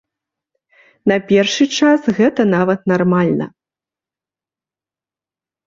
На першы час гэта нават нармальна.